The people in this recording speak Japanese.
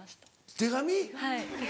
手紙？